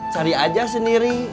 cari aja sendiri